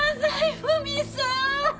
文さん！